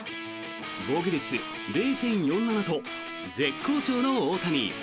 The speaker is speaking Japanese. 防御率０．４７と絶好調の大谷。